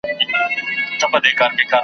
ما مي له پښتو سره پېیلې د نصیب ژبه .